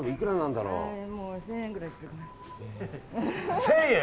１０００円？